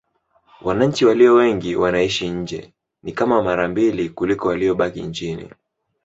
Wananchi walio wengi wanaishi nje: ni kama mara mbili kuliko waliobaki nchini.